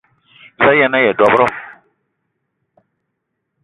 Za a yen-aya dob-ro?